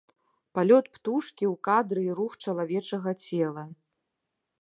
Палёт птушкі ў кадры і рух чалавечага цела.